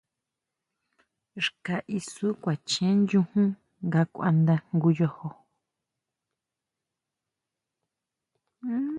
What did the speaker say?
Xka isú kuachen chujun nga kuanda jngu yojo.